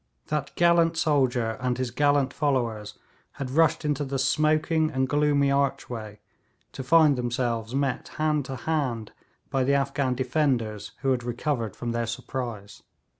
That gallant soldier and his gallant followers had rushed into the smoking and gloomy archway to find themselves met hand to hand by the Afghan defenders, who had recovered from their surprise.